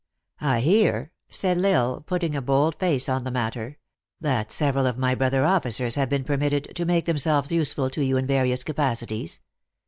I hear," said L Isle, putting a bold face on the matter, " that several of my bro ther officers have been permitted to make themselves useful to you in various capacities.